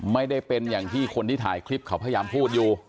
ไม่ได้เป็นอย่างที่คนที่ถ่ายคลิปเขาพยายามพูดอยู่